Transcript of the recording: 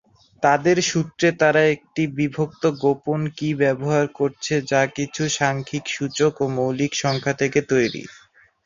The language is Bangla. তাদের সূত্রে তারা একটি বিভক্ত-গোপন-কি ব্যবহার করেছে যা কিছু সাংখ্যিক সূচক ও মৌলিক সংখ্যা থেকে তৈরি।